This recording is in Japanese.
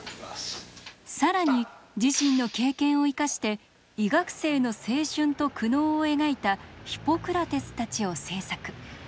更に自身の経験を生かして医学生の青春と苦悩を描いた「ヒポクラテスたち」を製作。